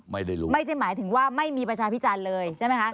ไม่ได้รู้ไม่ได้หมายถึงว่าไม่มีประชาพิจารณ์เลยใช่ไหมคะ